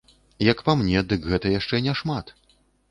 Як па мне, дык гэта яшчэ не шмат.